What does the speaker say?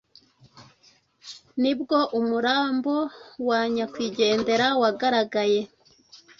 ni bwo umurambo wa nyakwigendera wagaragaye